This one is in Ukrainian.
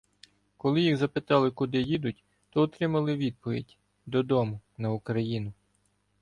Коли їх запитали, куди їдуть, то отримали відповідь: «додому на Україну».